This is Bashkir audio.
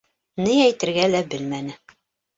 Ни әйтергә лә белмәне.